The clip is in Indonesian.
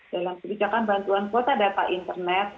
dalam kebijakan bantuan kuota data internet